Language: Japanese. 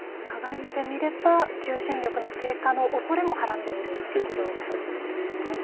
長い目で見れば求心力の低下のおそれもはらんでいるということですね。